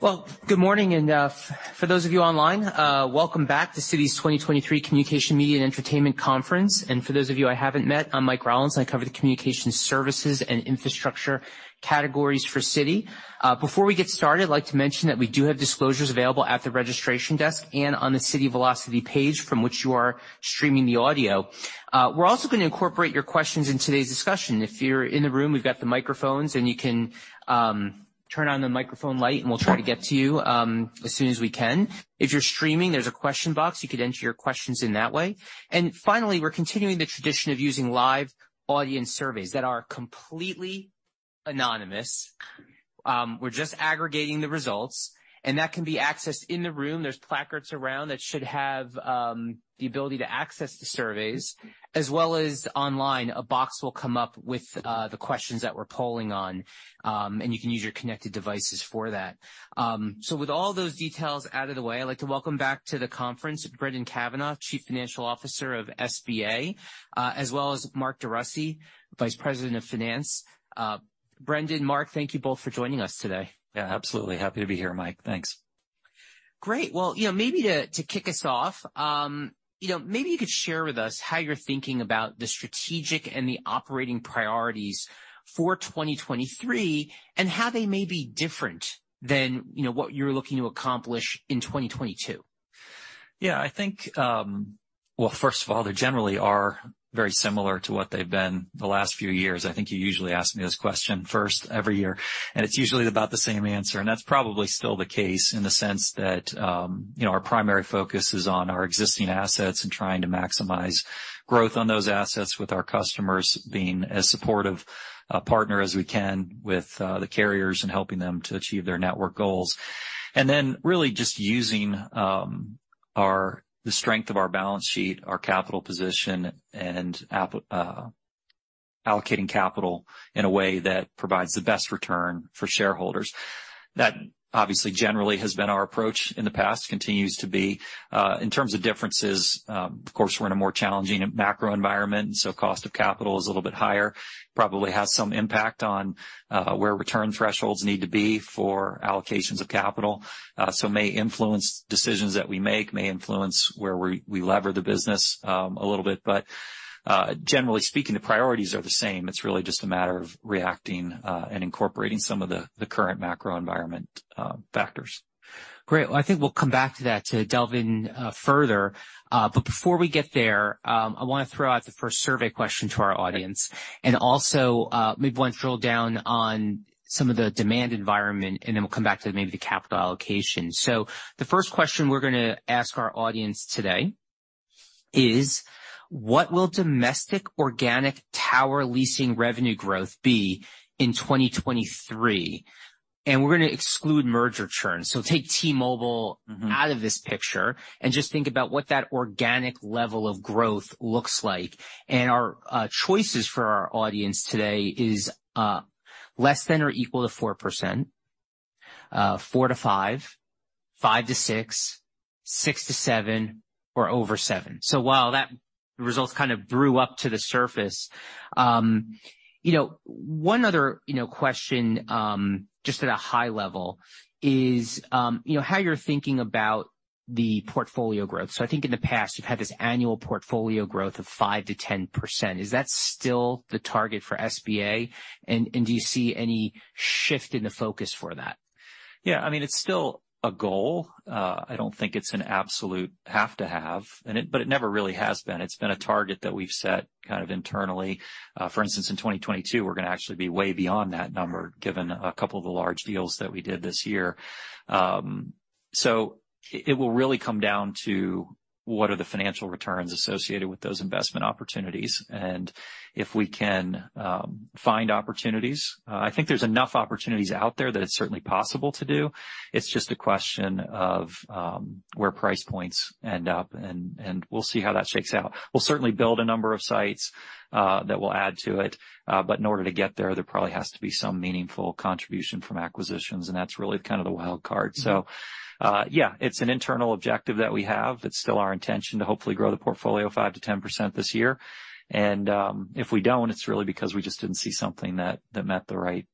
Well, good morning. For those of you online, welcome back to Citi's 2023 Communication, Media, and Entertainment Conference. For those of you I haven't met, I'm Michael Rollins. I cover the communication services and infrastructure categories for Citi. Before we get started, I'd like to mention that we do have disclosures available at the registration desk and on the Citi Velocity page from which you are streaming the audio. We're also gonna incorporate your questions in today's discussion. If you're in the room, we've got the microphones, and you can turn on the microphone light, and we'll try to get to you as soon as we can. If you're streaming, there's a question box. You could enter your questions in that way. Finally, we're continuing the tradition of using live audience surveys that are completely anonymous. We're just aggregating the results, and that can be accessed in the room. There's placards around that should have the ability to access the surveys as well as online. A box will come up with the questions that we're polling on, and you can use your connected devices for that. With all those details out of the way, I'd like to welcome back to the conference Brendan Cavanagh, Chief Financial Officer of SBA, as well as Mark DeRussy, Vice President of Finance. Brendan, Mark, thank you both for joining us today. Yeah, absolutely. Happy to be here, Mike. Thanks. Great. Well, you know, maybe to kick us off, you know, maybe you could share with us how you're thinking about the strategic and the operating priorities for 2023 and how they may be different than, you know, what you're looking to accomplish in 2022. I think, well, first of all, they generally are very similar to what they've been the last few years. I think you usually ask me this question first every year, and it's usually about the same answer, and that's probably still the case in the sense that, you know, our primary focus is on our existing assets and trying to maximize growth on those assets with our customers being as supportive a partner as we can with the carriers and helping them to achieve their network goals. Then really just using the strength of our balance sheet, our capital position, and allocating capital in a way that provides the best return for shareholders. That obviously generally has been our approach in the past, continues to be. In terms of differences, of course, we're in a more challenging macro environment, cost of capital is a little bit higher. Probably has some impact on where return thresholds need to be for allocations of capital, so may influence decisions that we make, may influence where we lever the business a little bit. Generally speaking, the priorities are the same. It's really just a matter of reacting and incorporating some of the current macro environment factors. Great. Well, I think we'll come back to that to delve in further. Before we get there, I wanna throw out the first survey question to our audience and also, maybe wanna drill down on some of the demand environment, and then we'll come back to maybe the capital allocation. The first question we're gonna ask our audience today is, what will domestic organic tower leasing revenue growth be in 2023? We're gonna exclude merger churns. Take T-Mobile... Mm-hmm. ...out of this picture and just think about what that organic level of growth looks like. Our choices for our audience today is less than or equal to 4%, 4%-5%, 5%-6%, 6%-7%, or over 7%. While that result kind of brew up to the surface, you know, one other, you know, question, just at a high level is, you know, how you're thinking about the portfolio growth. I think in the past, you've had this annual portfolio growth of 5%-10%. Is that still the target for SBA? Do you see any shift in the focus for that? Yeah. I mean, it's still a goal. I don't think it's an absolute have to have, it never really has been. It's been a target that we've set kind of internally. For instance, in 2022, we're going to actually be way beyond that number given a couple of the large deals that we did this year. It, it will really come down to what are the financial returns associated with those investment opportunities, and if we can find opportunities. I think there's enough opportunities out there that it's certainly possible to do. It's just a question of where price points end up, and we'll see how that shakes out. We'll certainly build a number of sites that will add to it. In order to get there probably has to be some meaningful contribution from acquisitions, and that's really kind of the wild card. Mm-hmm. Yeah, it's an internal objective that we have. It's still our intention to hopefully grow the portfolio 5%-10% this year. If we don't, it's really because we just didn't see something that met the right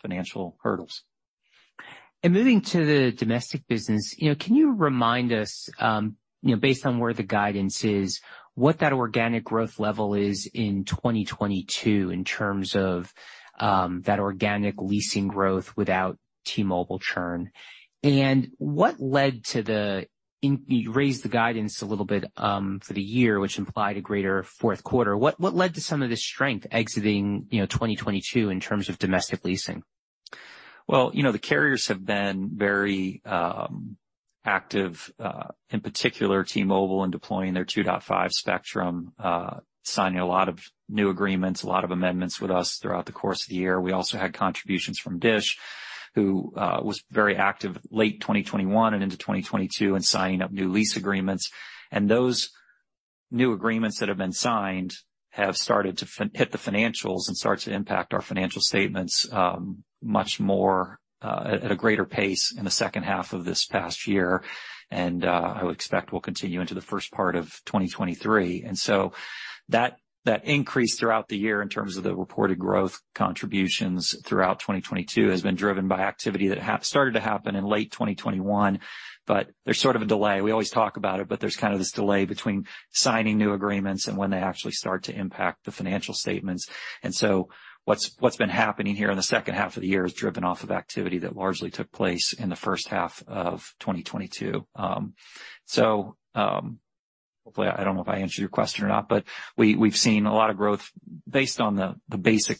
financial hurdles. Moving to the domestic business, you know, can you remind us, you know, based on where the guidance is, what that organic growth level is in 2022 in terms of, that organic leasing growth without T-Mobile churn? What led to you raised the guidance a little bit, for the year, which implied a greater fourth quarter. What led to some of the strength exiting, you know, 2022 in terms of domestic leasing? Well, you know, the carriers have been very active, in particular T-Mobile in deploying their 2.5 spectrum, signing a lot of new agreements, a lot of amendments with us throughout the course of the year. We also had contributions from DISH, who was very active late 2021 and into 2022 in signing up new lease agreements. Those new agreements that have been signed have started to hit the financials and start to impact our financial statements much more at a greater pace in the second half of this past year. I would expect will continue into the first part of 2023. That increased throughout the year in terms of the reported growth contributions throughout 2022 has been driven by activity that started to happen in late 2021. There's sort of a delay. We always talk about it, but there's kind of this delay between signing new agreements and when they actually start to impact the financial statements. What's been happening here in the second half of the year is driven off of activity that largely took place in the first half of 2022. Hopefully I don't know if I answered your question or not, but we've seen a lot of growth based on the basic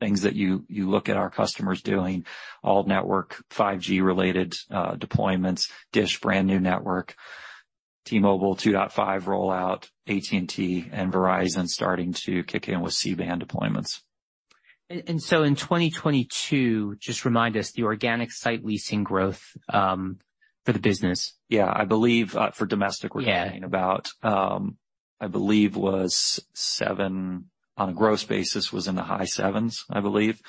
things that you look at our customers doing all network, 5G-related deployments, DISH brand new network, T-Mobile 2.5 rollout, AT&T and Verizon starting to kick in with C-band deployments. In 2022, just remind us, the organic site leasing growth for the business? Yeah. I believe, for domestic... Yeah. ...we're talking about, I believe was 7 on a gross basis, was in the high 7s, I believe.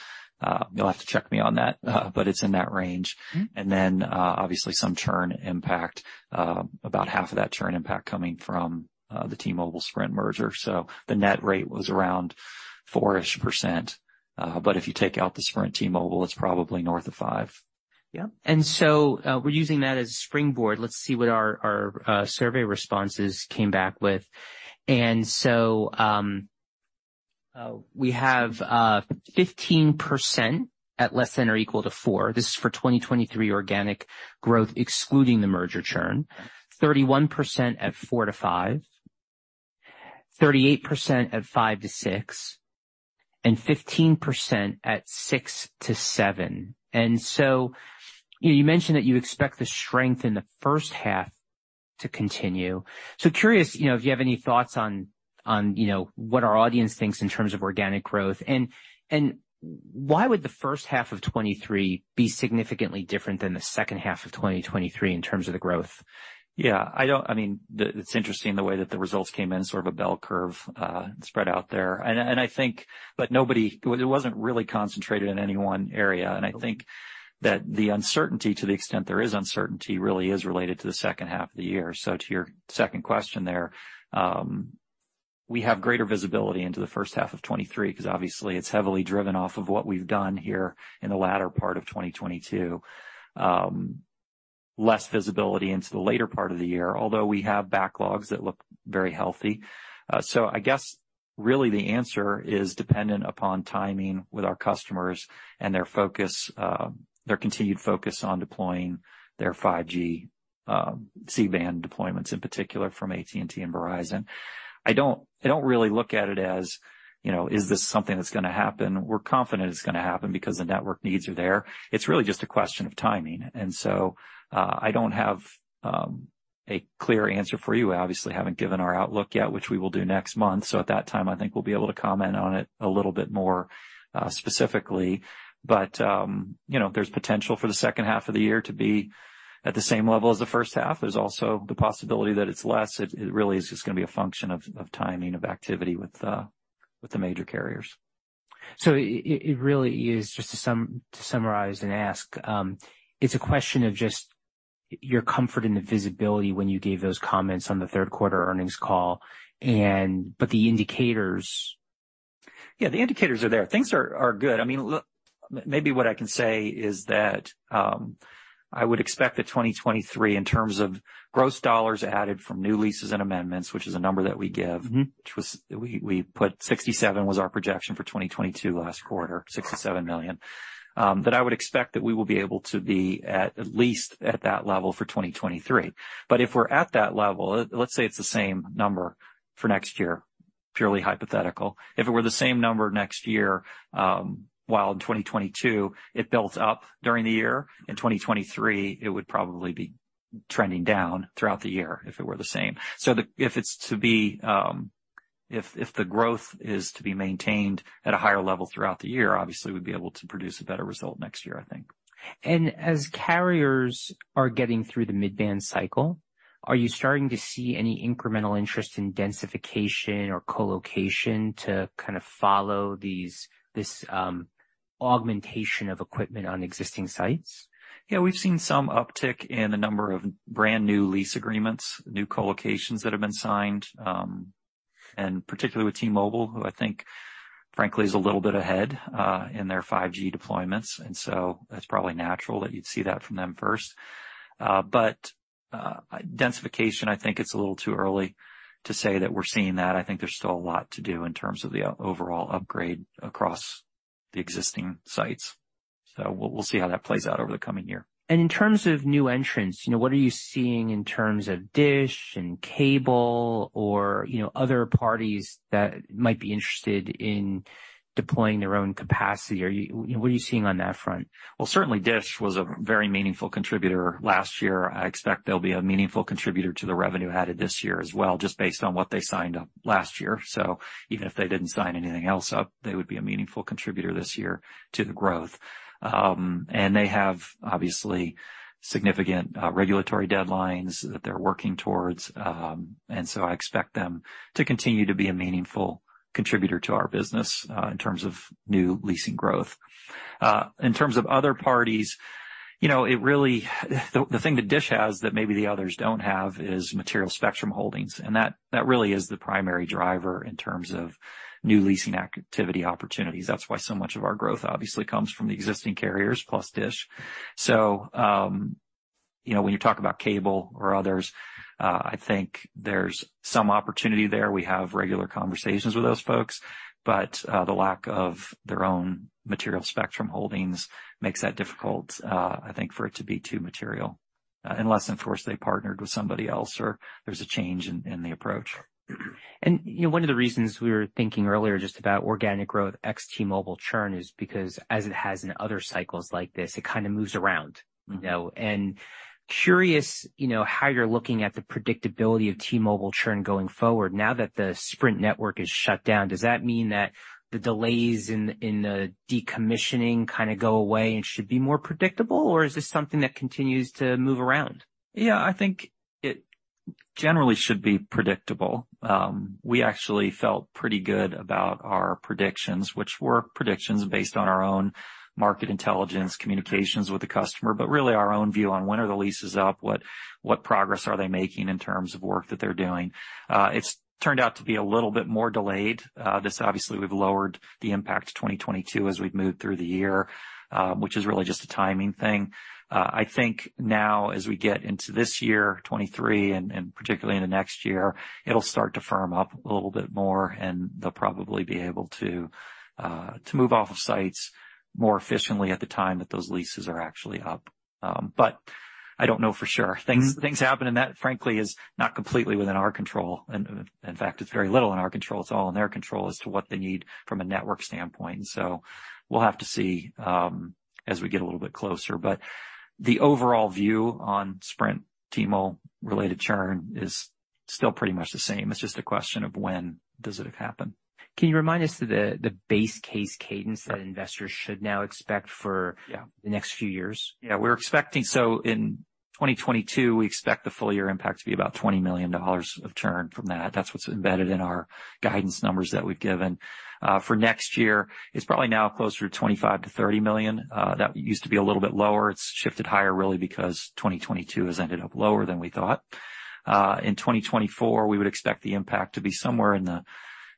You'll have to check me on that, but it's in that range. Mm-hmm. Obviously some churn impact, about half of that churn impact coming from the T-Mobile, Sprint merger. The net rate was around 4-ish%. But if you take out the Sprint T-Mobile, it's probably north of 5. Yeah. We're using that as a springboard. Let's see what our survey responses came back with. We have 15% at less than or equal to 4. This is for 2023 organic growth, excluding the merger churn. 31% at 4-5, 38% at 5-6, and 15% at 6-7. You know, you mentioned that you expect the strength in the first half to continue. Curious, you know, if you have any thoughts on, you know, what our audience thinks in terms of organic growth. Why would the first half of 2023 be significantly different than the second half of 2023 in terms of the growth? Yeah, I don't... I mean, it's interesting the way that the results came in sort of a bell curve spread out there. I think it wasn't really concentrated in any one area. I think that the uncertainty, to the extent there is uncertainty, really is related to the second half of the year. To your second question there, we have greater visibility into the first half of 2023 'cause obviously it's heavily driven off of what we've done here in the latter part of 2022. Less visibility into the later part of the year, although we have backlogs that look very healthy. I guess really the answer is dependent upon timing with our customers and their focus, their continued focus on deploying their 5G, C-band deployments, in particular from AT&T and Verizon. I don't really look at it as, you know, is this something that's gonna happen? We're confident it's gonna happen because the network needs are there. It's really just a question of timing. I don't have a clear answer for you. I obviously haven't given our outlook yet, which we will do next month. At that time, I think we'll be able to comment on it a little bit more specifically. You know, there's potential for the second half of the year to be at the same level as the first half. There's also the possibility that it's less. It really is just gonna be a function of timing, of activity with the major carriers. It really is, just to summarize and ask, it's a question of just your comfort in the visibility when you gave those comments on the third quarter earnings call but the indicators. Yeah, the indicators are there. Things are good. I mean, look, maybe what I can say is that, I would expect that 2023, in terms of gross dollars added from new leases and amendments, which is a number that we give... Mm-hmm. ...which was, we put 67 was our projection for 2022 last quarter, $67 million. That I would expect that we will be able to be at least at that level for 2023. If we're at that level, let's say it's the same number for next year. Purely hypothetical. If it were the same number next year, while in 2022, it built up during the year. In 2023, it would probably be trending down throughout the year if it were the same. If it's to be, if the growth is to be maintained at a higher level throughout the year, obviously we'd be able to produce a better result next year, I think. As carriers are getting through the mid-band cycle, are you starting to see any incremental interest in densification or co-location to kind of follow these, this augmentation of equipment on existing sites? We've seen some uptick in the number of brand new lease agreements, new co-locations that have been signed, particularly with T-Mobile, who I think frankly is a little bit ahead in their 5G deployments, it's probably natural that you'd see that from them first. Densification, I think it's a little too early to say that we're seeing that. I think there's still a lot to do in terms of the overall upgrade across the existing sites. We'll see how that plays out over the coming year. In terms of new entrants, you know, what are you seeing in terms of DISH and cable or, you know, other parties that might be interested in deploying their own capacity? You know, what are you seeing on that front? Certainly DISH was a very meaningful contributor last year. I expect they'll be a meaningful contributor to the revenue added this year as well, just based on what they signed up last year. Even if they didn't sign anything else up, they would be a meaningful contributor this year to the growth. They have obviously significant regulatory deadlines that they're working towards. I expect them to continue to be a meaningful contributor to our business in terms of new leasing growth. In terms of other parties, you know, the thing that DISH has that maybe the others don't have is material spectrum holdings, that really is the primary driver in terms of new leasing activity opportunities. That's why so much of our growth obviously comes from the existing carriers plus DISH. You know, when you talk about cable or others, I think there's some opportunity there. We have regular conversations with those folks, but the lack of their own material spectrum holdings makes that difficult, I think for it to be too material, unless, of course, they partnered with somebody else or there's a change in the approach. You know, one of the reasons we were thinking earlier just about organic growth ex T-Mobile churn is because as it has in other cycles like this, it kinda moves around, you know. Curious, you know, how you're looking at the predictability of T-Mobile churn going forward now that the Sprint network is shut down, does that mean that the delays in the decommissioning kinda go away and should be more predictable, or is this something that continues to move around? Yeah, I think it generally should be predictable. We actually felt pretty good about our predictions, which were predictions based on our own market intelligence, communications with the customer, but really our own view on when are the leases up, what progress are they making in terms of work that they're doing. It's turned out to be a little bit more delayed. This obviously we've lowered the impact to 2022 as we've moved through the year, which is really just a timing thing. I think now as we get into this year, 2023, and particularly in the next year, it'll start to firm up a little bit more, and they'll probably be able to to move off of sites more efficiently at the time that those leases are actually up. I don't know for sure. Things happen, and that, frankly, is not completely within our control and, in fact, it's very little in our control. It's all in their control as to what they need from a network standpoint. We'll have to see as we get a little bit closer. The overall view on Sprint T-Mobile-related churn is still pretty much the same. It's just a question of when does it happen. Can you remind us the base case cadence that investors should now expect... Yeah. ...for the next few years? In 2022, we expect the full year impact to be about $20 million of churn from that. That's what's embedded in our guidance numbers that we've given. For next year, it's probably now closer to $25 million-$30 million. That used to be a little bit lower. It's shifted higher really because 2022 has ended up lower than we thought. In 2024, we would expect the impact to be somewhere in the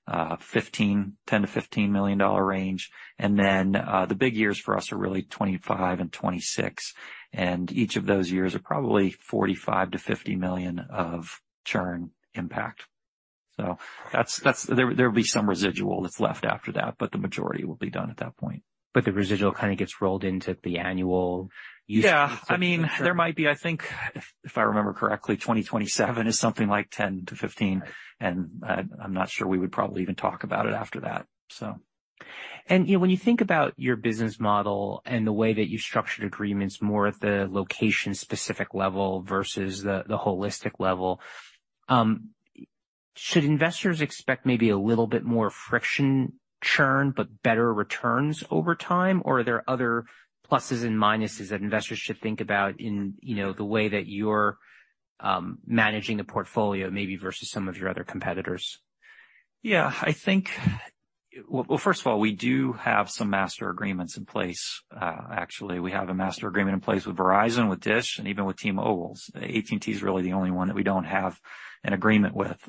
$10 million-$15 million range. The big years for us are really 2025 and 2026, and each of those years are probably $45 million-$50 million of churn impact. That's. There'll be some residual that's left after that, but the majority will be done at that point. The residual kinda gets rolled into the annual usage. Yeah. I mean, there might be, I think, if I remember correctly, 2027 is something like 10-15, and I'm not sure we would probably even talk about it after that, so. You know, when you think about your business model and the way that you structured agreements more at the location-specific level versus the holistic level, should investors expect maybe a little bit more friction churn but better returns over time? Are there other pluses and minuses that investors should think about in, you know, the way that you're managing the portfolio maybe versus some of your other competitors? I think well, first of all, we do have some master agreements in place. Actually, we have a master agreement in place with Verizon, with DISH, and even with T-Mobile. AT&T is really the only one that we don't have an agreement with.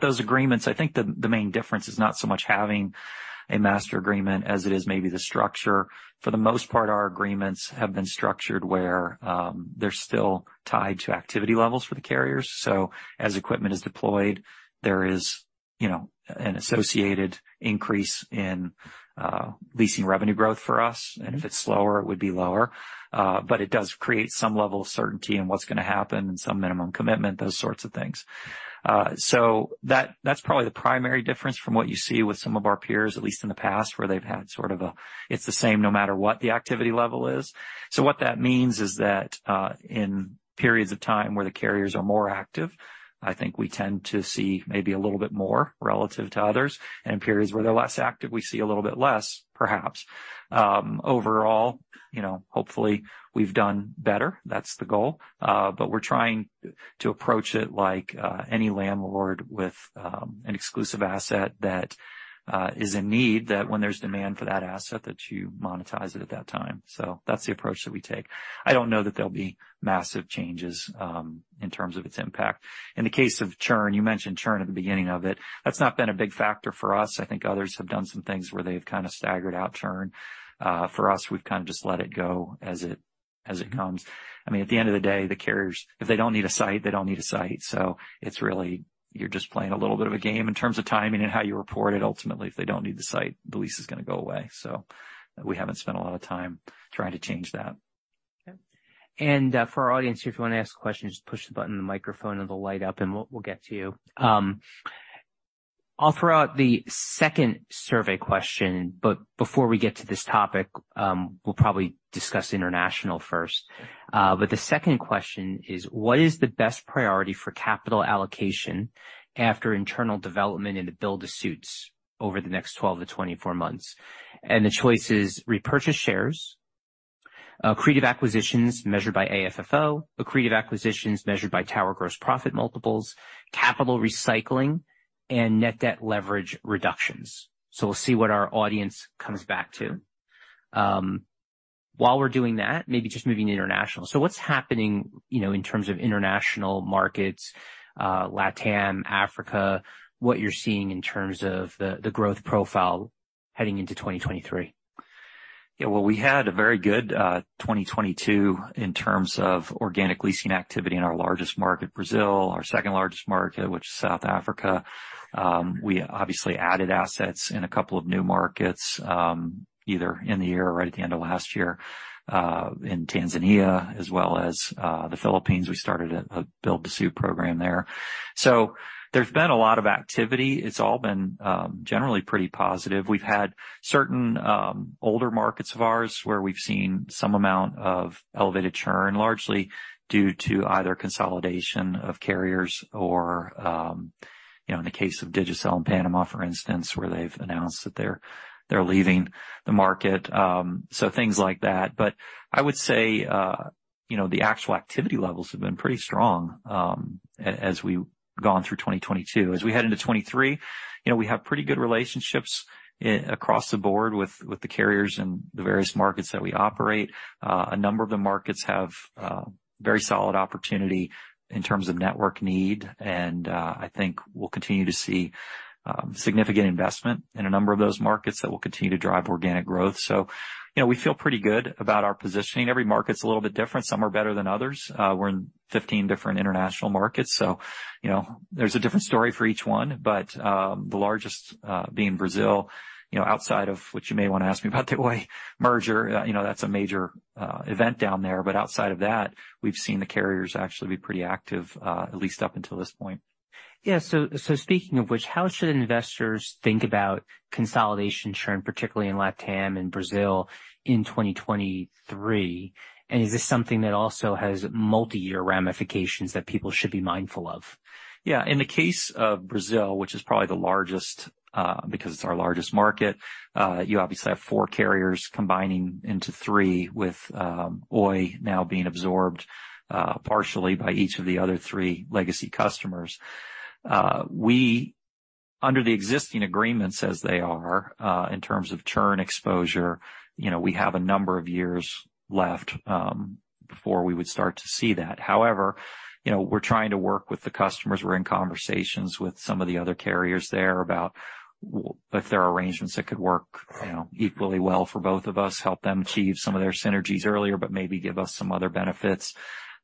Those agreements, I think the main difference is not so much having a master agreement as it is maybe the structure. For the most part, our agreements have been structured where they're still tied to activity levels for the carriers. As equipment is deployed, there is, you know, an associated increase in leasing revenue growth for us, and if it's slower, it would be lower. It does create some level of certainty in what's gonna happen and some minimum commitment, those sorts of things. That, that's probably the primary difference from what you see with some of our peers, at least in the past, where they've had sort of a it's the same no matter what the activity level is. What that means is that, in periods of time where the carriers are more active, I think we tend to see maybe a little bit more relative to others. In periods where they're less active, we see a little bit less, perhaps. Overall, you know, hopefully we've done better. That's the goal. We're trying to approach it like, any landlord with, an exclusive asset that, is in need, that when there's demand for that asset, that you monetize it at that time. That's the approach that we take. I don't know that there'll be massive changes, in terms of its impact. In the case of churn, you mentioned churn at the beginning of it. That's not been a big factor for us. I think others have done some things where they've kinda staggered out churn. For us, we've kind of just let it go as it comes. I mean, at the end of the day, the carriers, if they don't need a site, they don't need a site. It's really you're just playing a little bit of a game in terms of timing and how you report it. Ultimately, if they don't need the site, the lease is gonna go away. We haven't spent a lot of time trying to change that. Okay. For our audience here, if you wanna ask questions, just push the button in the microphone, it'll light up, and we'll get to you. I'll throw out the second survey question, but before we get to this topic, we'll probably discuss international first. The second question is, what is the best priority for capital allocation after internal development in the build-to-suits over the next 12 to 24 months? The choice is repurchase shares, accretive acquisitions measured by AFFO, accretive acquisitions measured by tower gross profit multiples, capital recycling and net debt leverage reductions. We'll see what our audience comes back to. While we're doing that, maybe just moving international. What's happening, you know, in terms of international markets, Latam, Africa, what you're seeing in terms of the growth profile heading into 2023. Well, we had a very good 2022 in terms of organic leasing activity in our largest market, Brazil, our second largest market, which is South Africa. We obviously added assets in a couple of new markets, either in the year or right at the end of last year, in Tanzania as well as the Philippines. We started a build-to-suit program there. There's been a lot of activity. It's all been generally pretty positive. We've had certain older markets of ours where we've seen some amount of elevated churn, largely due to either consolidation of carriers or, you know, in the case of Digicel in Panama, for instance, where they're leaving the market. Things like that. I would say, you know, the actual activity levels have been pretty strong, as we've gone through 2022. As we head into 2023, you know, we have pretty good relationships across the board with the carriers in the various markets that we operate. A number of the markets have very solid opportunity in terms of network need. I think we'll continue to see significant investment in a number of those markets that will continue to drive organic growth. You know, we feel pretty good about our positioning. Every market's a little bit different. Some are better than others. We're in 15 different international markets. You know, there's a different story for each one. The largest, being Brazil, you know, outside of which you may wanna ask me about the Oi merger, you know, that's a major, event down there. Outside of that, we've seen the carriers actually be pretty active, at least up until this point. Yeah. So speaking of which, how should investors think about consolidation churn, particularly in Latam and Brazil in 2023? Is this something that also has multi-year ramifications that people should be mindful of? In the case of Brazil, which is probably the largest, because it's our largest market, you obviously have four carriers combining into three, with Oi now being absorbed partially by each of the other three legacy customers. Under the existing agreements as they are, in terms of churn exposure, you know, we have a number of years left before we would start to see that. You know, we're trying to work with the customers. We're in conversations with some of the other carriers there about if there are arrangements that could work, you know, equally well for both of us, help them achieve some of their synergies earlier, but maybe give us some other benefits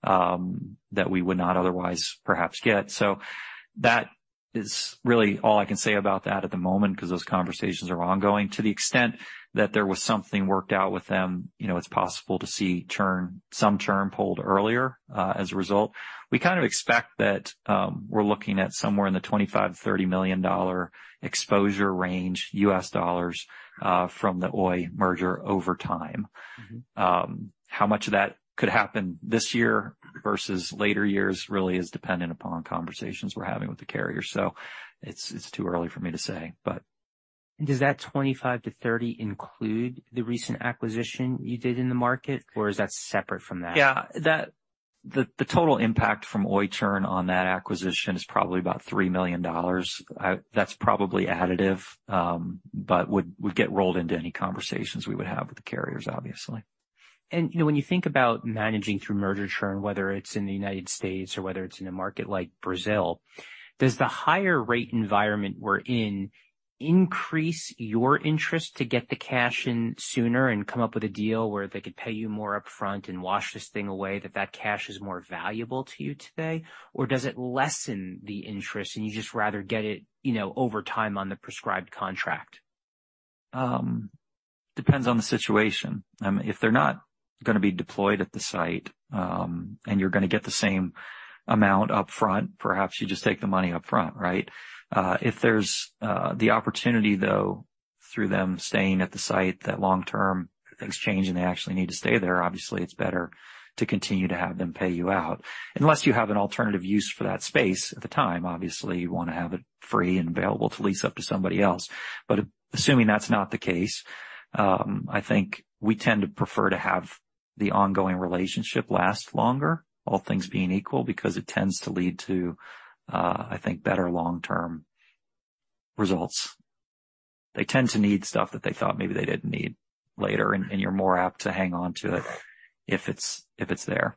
that we would not otherwise perhaps get. That is really all I can say about that at the moment, 'cause those conversations are ongoing. To the extent that there was something worked out with them, you know, it's possible to see churn, some churn pulled earlier, as a result. We kind of expect that, we're looking at somewhere in the $25 million-$30 million exposure range from the Oi merger over time. How much of that could happen this year versus later years really is dependent upon conversations we're having with the carrier. It's, it's too early for me to say, but... Does that 25 to 30 include the recent acquisition you did in the market, or is that separate from that? Yeah. The total impact from Oi churn on that acquisition is probably about $3 million. That's probably additive, but would get rolled into any conversations we would have with the carriers, obviously. You know, when you think about managing through merger churn, whether it's in the United States or whether it's in a market like Brazil, does the higher rate environment we're in increase your interest to get the cash in sooner and come up with a deal where they could pay you more upfront and wash this thing away, that that cash is more valuable to you today? Or does it lessen the interest and you'd just rather get it, you know, over time on the prescribed contract? Depends on the situation. If they're not gonna be deployed at the site, and you're gonna get the same amount upfront, perhaps you just take the money upfront, right? If there's the opportunity, though, through them staying at the site that long-term things change and they actually need to stay there, obviously it's better to continue to have them pay you out. Unless you have an alternative use for that space at the time, obviously you wanna have it free and available to lease up to somebody else. Assuming that's not the case, I think we tend to prefer to have the ongoing relationship last longer, all things being equal, because it tends to lead to, I think, better long-term results. They tend to need stuff that they thought maybe they didn't need later, and you're more apt to hang on to it if it's there.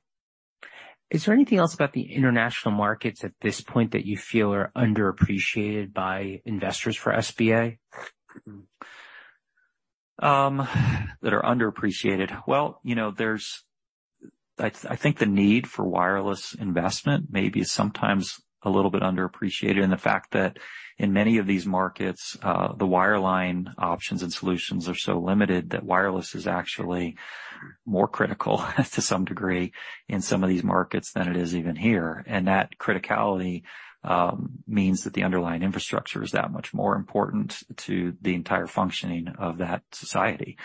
Is there anything else about the international markets at this point that you feel are underappreciated by investors for SBA? That are underappreciated. Well, you know, I think the need for wireless investment may be sometimes a little bit underappreciated, and the fact that in many of these markets, the wireline options and solutions are so limited that wireless is actually more critical to some degree in some of these markets than it is even here. That criticality means that the underlying infrastructure is that much more important to the entire functioning of that society.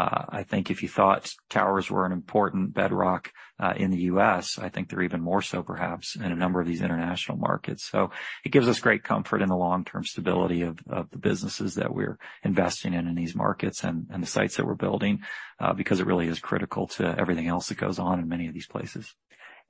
I think if you thought towers were an important bedrock in the U.S., I think they're even more so perhaps in a number of these international markets. It gives us great comfort in the long-term stability of the businesses that we're investing in in these markets and the sites that we're building, because it really is critical to everything else that goes on in many of these places.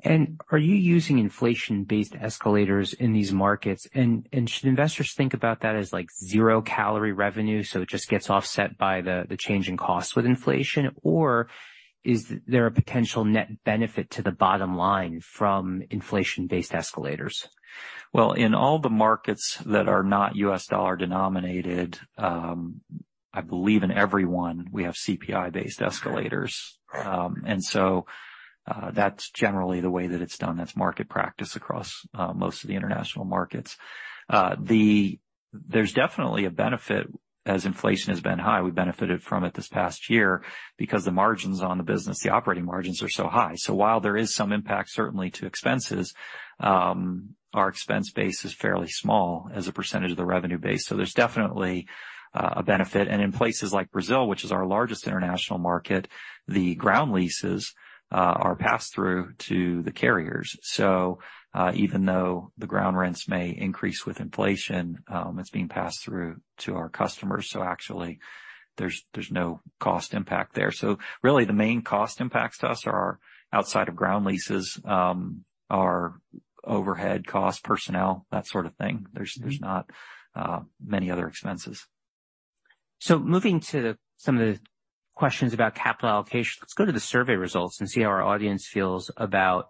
Are you using inflation-based escalators in these markets? Should investors think about that as like zero-calorie revenue, so it just gets offset by the change in costs with inflation? Or is there a potential net benefit to the bottom line from inflation-based escalators? In all the markets that are not U.S. dollar denominated, I believe in every one we have CPI-based escalators. That's generally the way that it's done. That's market practice across most of the international markets. There's definitely a benefit as inflation has been high. We benefited from it this past year because the margins on the business, the operating margins are so high. While there is some impact certainly to expenses, our expense base is fairly small as a percentage of the revenue base, there's definitely a benefit. In places like Brazil, which is our largest international market, the ground leases are passed through to the carriers. Even though the ground rents may increase with inflation, it's being passed through to our customers. Actually there's no cost impact there. Really the main cost impacts to us are outside of ground leases, are overhead costs, personnel, that sort of thing. Mm-hmm. There's not many other expenses. Moving to some of the questions about capital allocation, let's go to the survey results and see how our audience feels about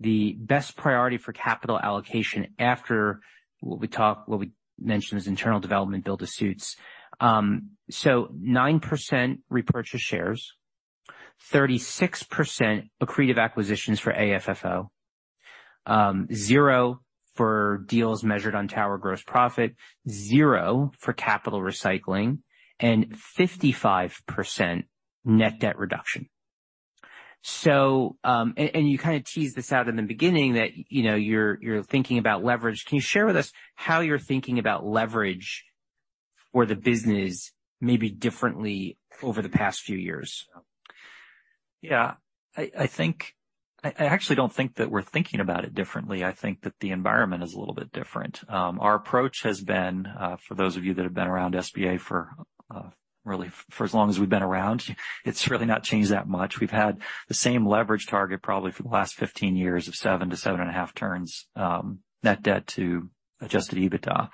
the best priority for capital allocation after what we talked, what we mentioned as internal development build-to-suits. 9% repurchase shares, 36% accretive acquisitions for AFFO, 0% for deals measured on Tower Gross Profit, 0% for Capital Recycling, and 55% net debt reduction. And you kinda teased this out in the beginning that, you know, you're thinking about leverage. Can you share with us how you're thinking about leverage for the business maybe differently over the past few years? Yeah. I actually don't think that we're thinking about it differently. I think that the environment is a little bit different. Our approach has been for those of you that have been around SBA for really for as long as we've been around, it's really not changed that much. We've had the same leverage target probably for the last 15 years of 7 to 7.5 turns, net debt to adjusted EBITDA.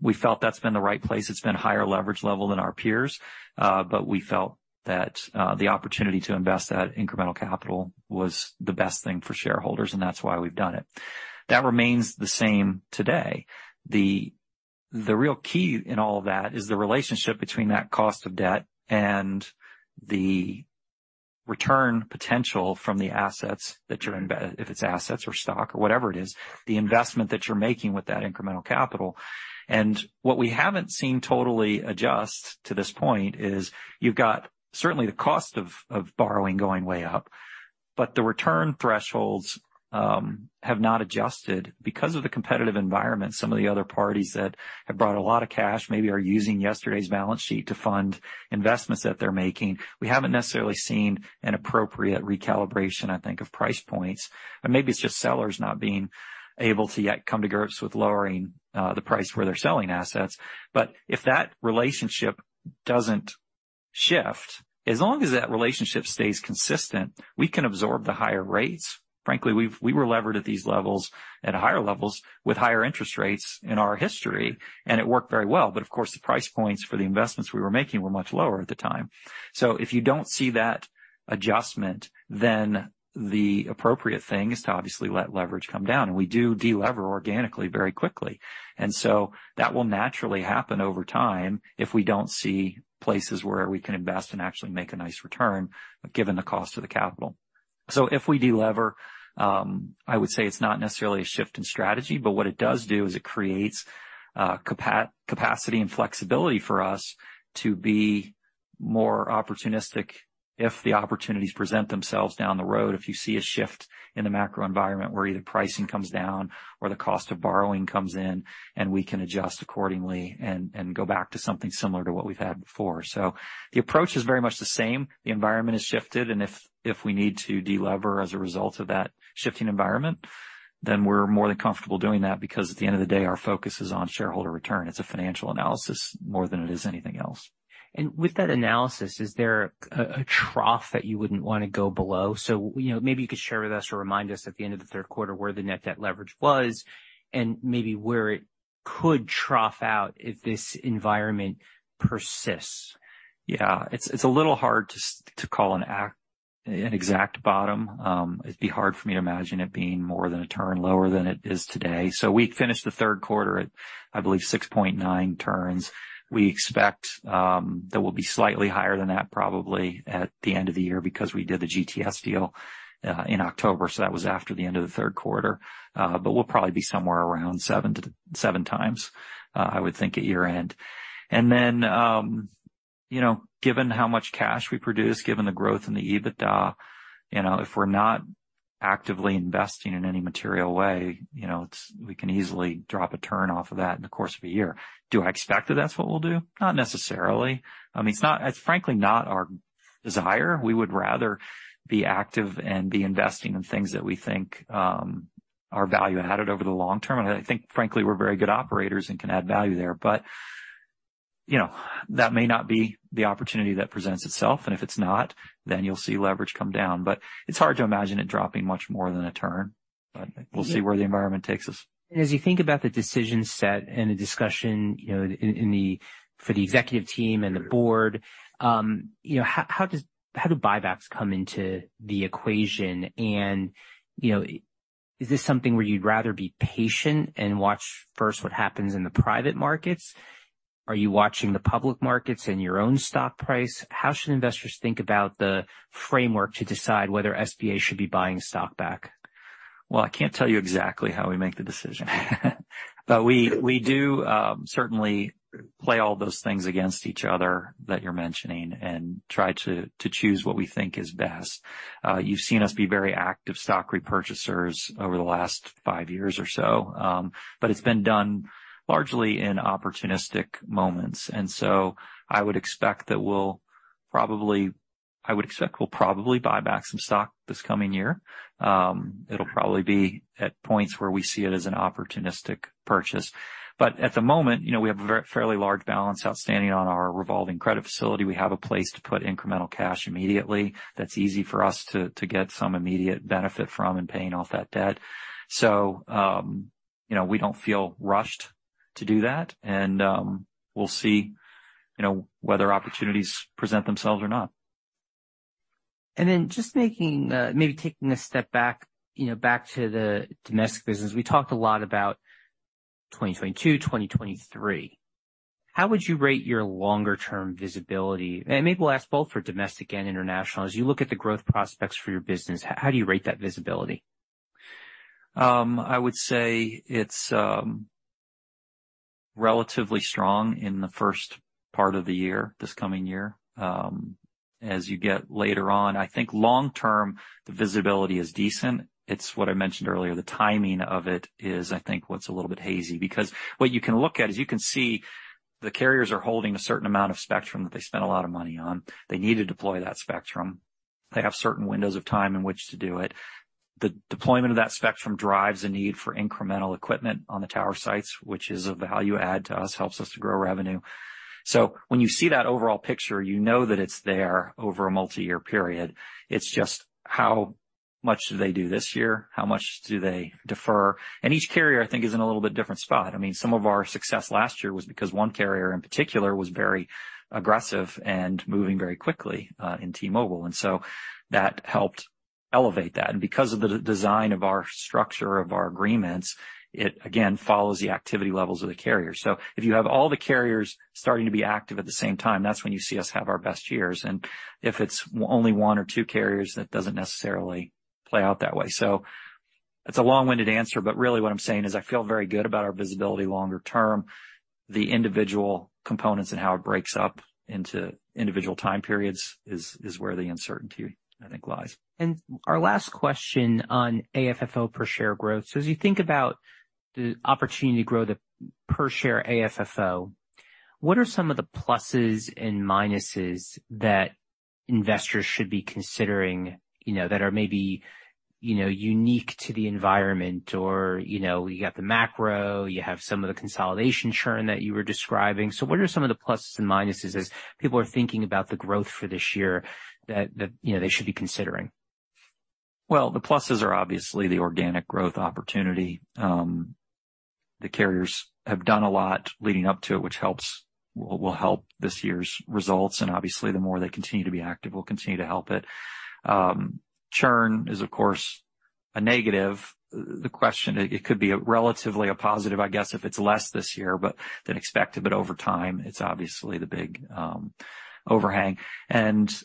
We felt that's been the right place. It's been higher leverage level than our peers, but we felt that the opportunity to invest that incremental capital was the best thing for shareholders, and that's why we've done it. That remains the same today. The real key in all of that is the relationship between that cost of debt and the return potential from the assets that you're if it's assets or stock or whatever it is, the investment that you're making with that incremental capital. What we haven't seen totally adjust to this point is you've got certainly the cost of borrowing going way up, but the return thresholds have not adjusted. Because of the competitive environment, some of the other parties that have brought a lot of cash maybe are using yesterday's balance sheet to fund investments that they're making. We haven't necessarily seen an appropriate recalibration, I think, of price points. Maybe it's just sellers not being able to yet come to grips with lowering the price where they're selling assets. If that relationship doesn't shift, as long as that relationship stays consistent, we can absorb the higher rates. Frankly, we were levered at these levels at higher levels with higher interest rates in our history, and it worked very well. Of course, the price points for the investments we were making were much lower at the time. If you don't see that adjustment, then the appropriate thing is to obviously let leverage come down. We do de-lever organically very quickly. That will naturally happen over time if we don't see places where we can invest and actually make a nice return given the cost of the capital. If we de-lever, I would say it's not necessarily a shift in strategy, but what it does do is it creates capacity and flexibility for us to be more opportunistic if the opportunities present themselves down the road, if you see a shift in the macro environment where either pricing comes down or the cost of borrowing comes in, and we can adjust accordingly and go back to something similar to what we've had before. The approach is very much the same. The environment has shifted. If we need to de-lever as a result of that shifting environment, then we're more than comfortable doing that, because at the end of the day, our focus is on shareholder return. It's a financial analysis more than it is anything else. With that analysis, is there a trough that you wouldn't wanna go below? You know, maybe you could share with us or remind us at the end of the third quarter where the net debt leverage was and maybe where it could trough out if this environment persists. It's a little hard to call an exact bottom. It'd be hard for me to imagine it being more than a turn lower than it is today. We finished the third quarter at, I believe, 6.9 turns. We expect that we'll be slightly higher than that probably at the end of the year because we did the GTS deal in October, so that was after the end of the third quarter. We'll probably be somewhere around 7x. I would think at year-end. You know, given how much cash we produce, given the growth in the EBITDA, you know, if we're not actively investing in any material way, you know, we can easily drop a turn off of that in the course of a year. Do I expect that that's what we'll do? Not necessarily. I mean, it's frankly not our desire. We would rather be active and be investing in things that we think are value-added over the long term. I think, frankly, we're very good operators and can add value there. You know, that may not be the opportunity that presents itself, and if it's not, then you'll see leverage come down. It's hard to imagine it dropping much more than a turn, but we'll see where the environment takes us. As you think about the decision set and the discussion, you know, for the executive team and the board, you know, how do buybacks come into the equation? Is this something where you'd rather be patient and watch first what happens in the private markets? Are you watching the public markets and your own stock price? How should investors think about the framework to decide whether SBA should be buying stock back? Well, I can't tell you exactly how we make the decision. We do certainly play all those things against each other that you're mentioning and try to choose what we think is best. You've seen us be very active stock repurchasers over the last five years or so, it's been done largely in opportunistic moments. I would expect we'll probably buy back some stock this coming year. It'll probably be at points where we see it as an opportunistic purchase. At the moment, you know, we have a fairly large balance outstanding on our revolving credit facility. We have a place to put incremental cash immediately that's easy for us to get some immediate benefit from in paying off that debt. You know, we don't feel rushed to do that. We'll see, you know, whether opportunities present themselves or not. Then just making, maybe taking a step back, you know, back to the domestic business. We talked a lot about 2022, 2023. How would you rate your longer term visibility? Maybe we'll ask both for domestic and international. As you look at the growth prospects for your business, how do you rate that visibility? I would say it's relatively strong in the first part of the year, this coming year. As you get later on, I think long term, the visibility is decent. It's what I mentioned earlier, the timing of it is, I think, what's a little bit hazy, because what you can look at is you can see the carriers are holding a certain amount of spectrum that they spend a lot of money on. They need to deploy that spectrum. They have certain windows of time in which to do it. The deployment of that spectrum drives a need for incremental equipment on the tower sites, which is a value add to us, helps us to grow revenue. When you see that overall picture, you know that it's there over a multi-year period. It's just how much do they do this year? How much do they defer? Each carrier, I think, is in a little bit different spot. I mean, some of our success last year was because one carrier in particular was very aggressive and moving very quickly, in T-Mobile, and so that helped elevate that. Because of the design of our structure of our agreements, it again follows the activity levels of the carrier. If you have all the carriers starting to be active at the same time, that's when you see us have our best years. If it's only one or two carriers, that doesn't necessarily play out that way. It's a long-winded answer, but really what I'm saying is I feel very good about our visibility longer term. The individual components and how it breaks up into individual time periods is where the uncertainty, I think, lies. Our last question on AFFO per share growth. As you think about the opportunity to grow the per share AFFO, what are some of the pluses and minuses that investors should be considering, you know, that are maybe, you know, unique to the environment or, you know, you got the macro, you have some of the consolidation churn that you were describing? What are some of the pluses and minuses as people are thinking about the growth for this year that, you know, they should be considering? Well, the pluses are obviously the organic growth opportunity. The carriers have done a lot leading up to it, which will help this year's results. Obviously, the more they continue to be active will continue to help it. Churn is of course a negative. The question, it could be relatively a positive, I guess, if it's less this year than expected, but over time, it's obviously the big overhang. You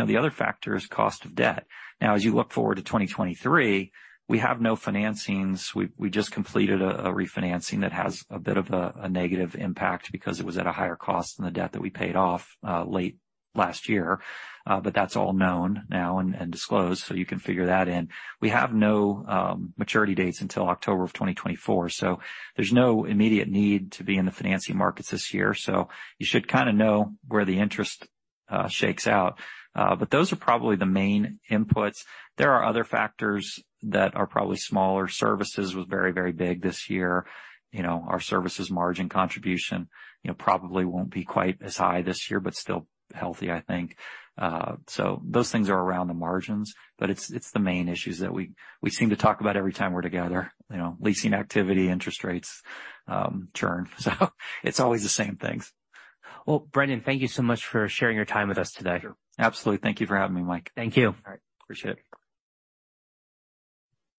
know, the other factor is cost of debt. Now, as you look forward to 2023, we have no financings. We just completed a refinancing that has a bit of a negative impact because it was at a higher cost than the debt that we paid off late last year. That's all known now and disclosed, so you can figure that in. We have no maturity dates until October of 2024, there's no immediate need to be in the financing markets this year, you should kinda know where the interest shakes out. Those are probably the main inputs. There are other factors that are probably smaller. Services was very, very big this year. You know, our services margin contribution, you know, probably won't be quite as high this year, but still healthy, I think. Those things are around the margins, but it's the main issues that we seem to talk about every time we're together. You know, leasing activity, interest rates, churn. It's always the same things. Well, Brendan, thank you so much for sharing your time with us today. Sure. Absolutely. Thank you for having me, Mike. Thank you. All right. Appreciate it.